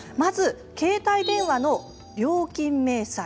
携帯電話の料金明細